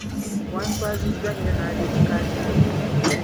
Wanswazizza nnyo n'ab'ekika kyange.